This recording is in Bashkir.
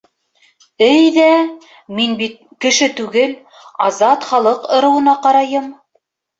Эй ҙә, мин бит — кеше түгел, Азат Халыҡ ырыуына ҡарайым.